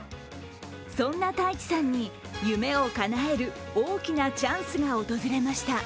そんな太智さんに、夢をかなえる大きなチャンスが訪れました。